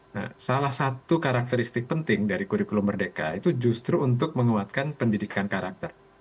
nah salah satu karakteristik penting dari kurikulum merdeka itu justru untuk menguatkan pendidikan karakter